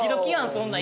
そんなん。